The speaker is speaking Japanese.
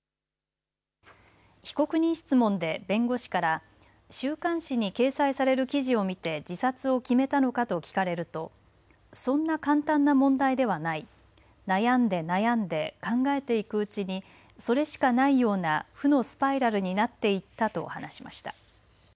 被告人質問で弁護士から週刊誌に掲載される記事を見て自殺を決めたのかと聞かれるとそんな簡単な問題ではない悩んで悩んで、考えていくうちにそれしかないような負のスパイラルになっていったと話しました。